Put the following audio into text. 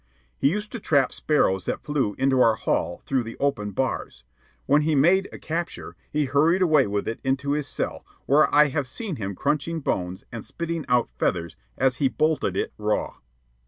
He used to trap sparrows that flew into our hall through the open bars. When he made a capture, he hurried away with it into his cell, where I have seen him crunching bones and spitting out feathers as he bolted it raw.